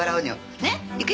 ねっいくよ？